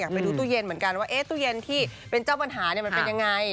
ไปดูตู้เย็นเหมือนกันว่าตู้เย็นที่เป็นเจ้าปัญหามันเป็นยังไง